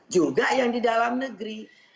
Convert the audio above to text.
juga yang di dalam negeri